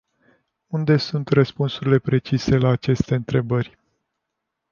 Unde sunt răspunsurile precise la aceste întrebări?